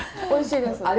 おいしいです。